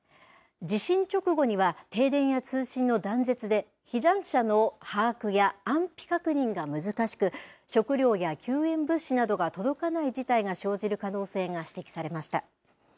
地震直後には停電や通信の断絶で、避難者の把握や安否確認が難しく、食料や救援物資などが届かない事態が生じる可能性が指摘されました。